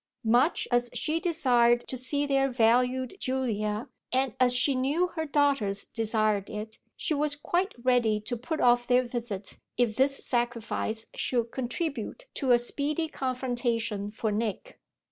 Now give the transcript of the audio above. Much as she desired to see their valued Julia, and as she knew her daughters desired it, she was quite ready to put off their visit if this sacrifice should contribute to a speedy confrontation for Nick.